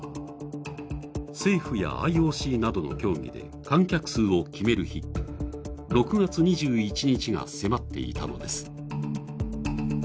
政府やＩＯＣなどの協議で観客数を決める日６月２１日が迫っていたのです。